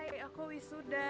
hai aku wisuda